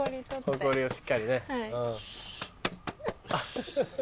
ほこりをしっかりね。